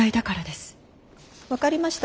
分かりました。